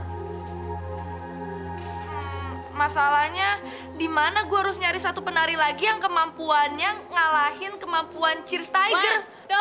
hmmmm masalahnya dimana gue harus nyari satu penari lagi yang kemampuannya ngalahin kemampuan cheers tiger